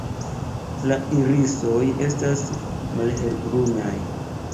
La irisoj estas malhelbrunaj.